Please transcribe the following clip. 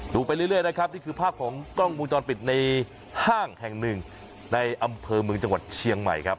ไปเรื่อยนะครับนี่คือภาพของกล้องวงจรปิดในห้างแห่งหนึ่งในอำเภอเมืองจังหวัดเชียงใหม่ครับ